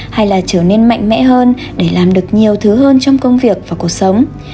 hay là trở nên mạnh mẽ hơn để làm được nhiều thứ hơn trong công việc và cuộc sống